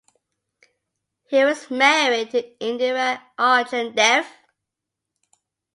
He was married to Indira Arjun Dev.